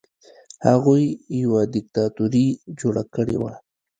هغوی یوه دیکتاتوري جوړه کړې وه.